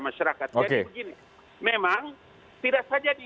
masyarakat oke memang tidak saja di